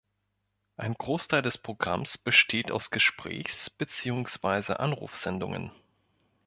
Ein Großteil des Programms besteht aus Gesprächs- beziehungsweise Anruf-Sendungen.